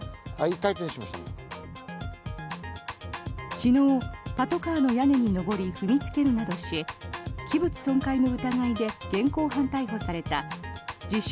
昨日、パトカーの屋根に上り踏みつけるなどし器物損壊の疑いで現行犯逮捕された自称